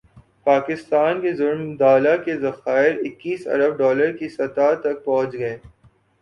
پاکستان کے زرمبادلہ کے ذخائر اکیس ارب ڈالر کی سطح تک پہنچ گئے